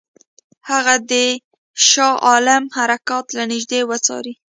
هغه دې د شاه عالم حرکات له نیژدې وڅاري.